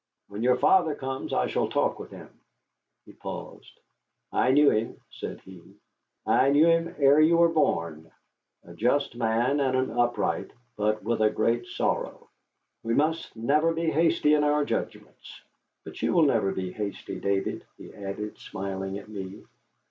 When your father comes, I shall talk with him." He paused "I knew him," said he, "I knew him ere you were born. A just man, and upright, but with a great sorrow. We must never be hasty in our judgments. But you will never be hasty, David," he added, smiling at me.